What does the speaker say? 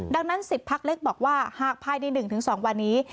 ดังนั้น๑๐พักเล็กบอกว่าหากภายใน๑๒วันนี้